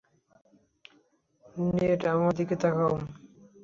Net, আমার দিকে তাকাও।